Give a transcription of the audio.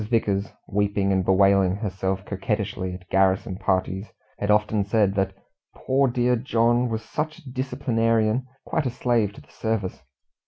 Vickers weeping and bewailing herself coquettishly at garrison parties had often said that "poor dear John was such a disciplinarian, quite a slave to the service."